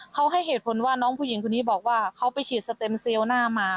เขาให้เหตุผลว่าน้องผู้หญิงคนนี้บอกว่าเขาไปฉีดสเต็มเซลล์หน้ามา